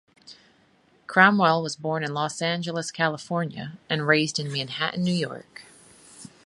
Cromwell was born in Los Angeles, California, and raised in Manhattan, New York.